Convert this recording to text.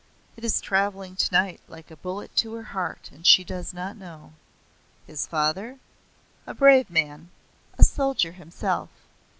It is travelling tonight like a bullet to her heart, and she does not know." "His father?" "A brave man a soldier himself.